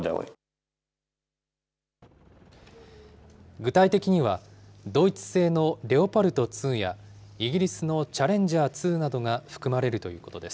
具体的には、ドイツ製のレオパルト２や、イギリスのチャレンジャー２などが含まれるということです。